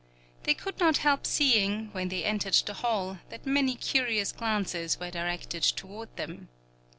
They could not help seeing, when they entered the hall, that many curious glances were directed toward them.